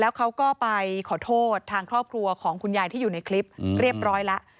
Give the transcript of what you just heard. เขาก็ไปขอโทษทางครอบครัวของคุณยายที่อยู่ในคลิปเรียบร้อยแล้ว